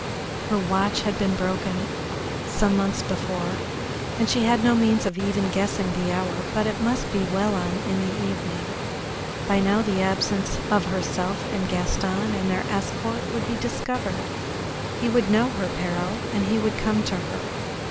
Her watch had been broken some months before, and she had no means of even guessing the hour, but it must be well on in the evening. By now the absence of herself and Gaston and their escort would be discovered. He would know her peril and he would come to her.